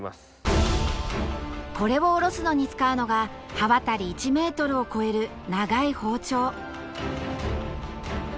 これをおろすのに使うのが刃渡り１ｍを超える長い包丁。